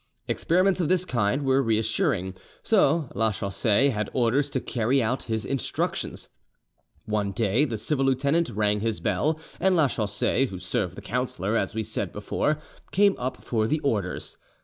Experiments of this kind were reassuring; so Lachaussee had orders to carry out his instructions. One day the civil lieutenant rang his bell, and Lachaussee, who served the councillor, as we said before, came up for orders.